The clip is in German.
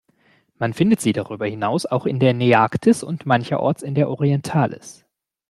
Man findet sie darüber hinaus auch in der Nearktis und mancherorts in der Orientalis.